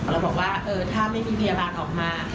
เราบอกว่าถ้าไม่มีพยาบาลออกมา